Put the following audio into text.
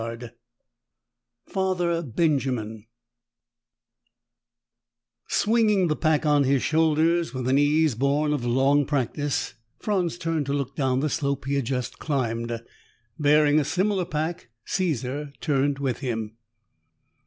6: FATHER BENJAMIN Swinging the pack on his shoulders with an ease born of long practice, Franz turned to look down the slope he had just climbed. Bearing a similar pack, Caesar turned with him.